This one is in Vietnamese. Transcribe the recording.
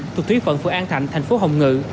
thuộc thuyết phận phượng an thạnh thành phố hồng ngự